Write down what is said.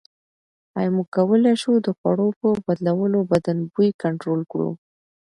ایا موږ کولای شو د خوړو په بدلولو بدن بوی کنټرول کړو؟